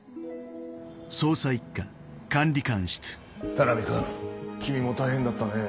田波君君も大変だったね。